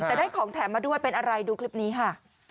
แต่ได้ของแถมมาด้วยเป็นอะไรดูคลิปนี้ค่ะ